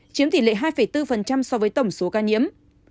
chiếm tỷ lệ hai bốn so với tổng số ca nhiễm